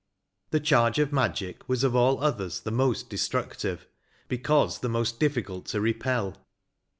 The charge of magic was of all others the most destructive, because the most difficult to repel.